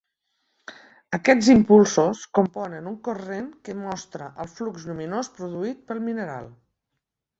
Aquests impulsos componen un corrent que mostra el flux lluminós produït pel mineral.